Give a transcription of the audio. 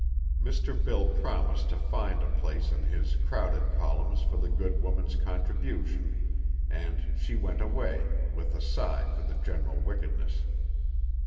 Mr. Bill promised to find a place in his crowded columns for the good woman's contribution, and she went away, with a sigh for the general wickedness.